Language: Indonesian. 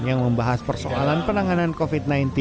yang membahas persoalan penanganan covid sembilan belas